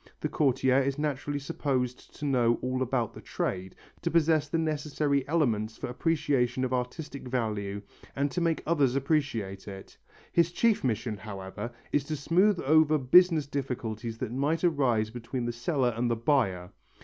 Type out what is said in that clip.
The courtier is naturally supposed to know all about the trade, to possess the necessary elements for appreciation of artistic value and to make others appreciate it. His chief mission, however, is to smooth over business difficulties that might arise between the seller and the buyer.